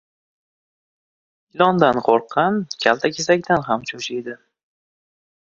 • Ilondan qo‘rqqan kaltakesakdan ham cho‘chiydi.